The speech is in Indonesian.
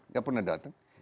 nggak pernah datang